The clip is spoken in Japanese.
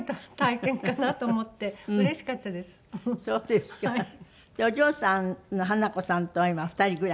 でお嬢さんの華子さんとは今２人暮らし？